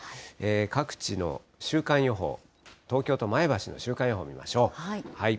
各地の週間予報、東京と前橋の週間予報を見ましょう。